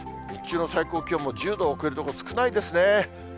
日中の最高気温も１０度を超える所少ないですね。